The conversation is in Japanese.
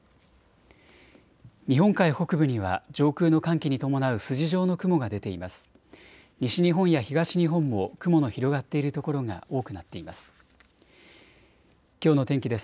日本海北部には上空の寒気に伴う筋状の雲が出ています。